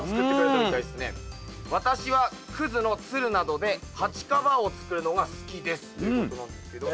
「私は葛のつるなどで鉢カバーを作るのが好きです」ということなんですけど。